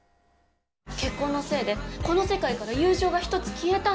結婚のせいで、この世界から友情が１つ消えたの。